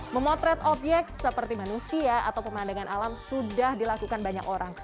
memotret obyek seperti manusia atau pemandangan alam sudah dilakukan banyak orang